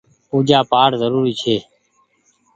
پوجآ پآٽ زروري ڇي۔